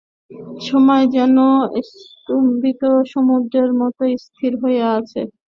সময় যেন স্তম্ভিত সমুদ্রের মতো স্থির হইয়া আছে।